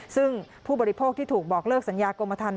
ซึ่งผู้บริโภคที่ถูกบอกเลิกสัญญากรมธรรม